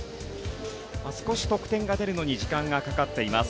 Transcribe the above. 少し得点が出るのに時間がかかっています。